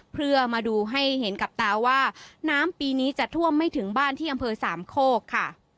เพื่อมาดูให้เห็นกับตาว่าน้ำปีนี้จะท่วมไม่ถึงบ้านที่อำเภอสามโคกค่ะ